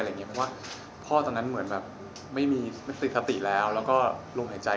คือเป็นความรู้สึกที่แบล็คน์มากกว่า